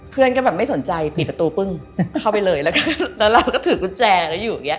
เพื่อนก็แบบไม่สนใจปิดประตูปึ้งเข้าไปเลย